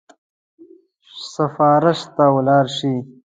سفارت ته ولاړ شي.